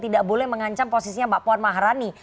tidak boleh mengancam posisinya mbak puan maharani